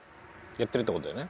やってるって事だよね？